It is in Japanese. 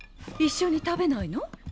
一緒に食べないの？